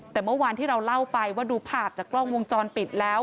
แต่เมื่อวานที่เราเล่าไปว่าดูภาพจากกล้องวงจรปิดแล้ว